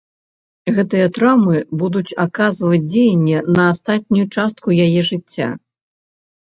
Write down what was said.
Гэтыя траўмы будуць аказваць дзеянне на астатнюю частку яе жыцця.